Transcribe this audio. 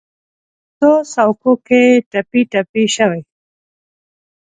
د اغزو څوکو کې ټپي، ټپي شوي